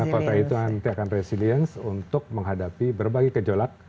bagaimana kota itu nanti akan resiliens untuk menghadapi berbagai kejolak